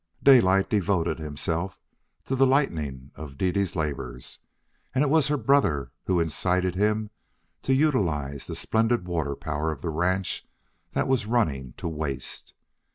Daylight devoted himself to the lightening of Dede's labors, and it was her brother who incited him to utilize the splendid water power of the ranch that was running to waste.